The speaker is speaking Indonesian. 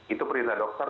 itu perintah dokter